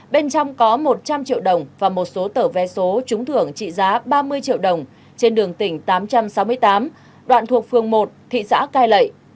bên trong có một trăm linh triệu đồng và một số tờ vé số trúng thưởng trị giá ba mươi triệu đồng trên đường tỉnh tám trăm sáu mươi tám đoạn thuộc phường một thị xã cai lậy